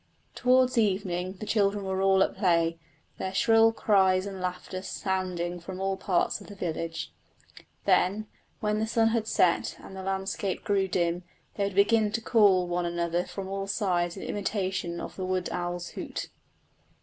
Towards evening the children were all at play, their shrill cries and laughter sounding from all parts of the village. Then, when the sun had set and the landscape grew dim, they would begin to call to one another from all sides in imitation of the wood owl's hoot.